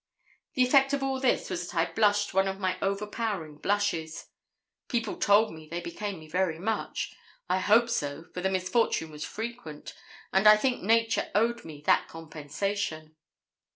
The effect of all this was that I blushed one of my overpowering blushes. People told me they became me very much; I hope so, for the misfortune was frequent; and I think nature owed me that compensation.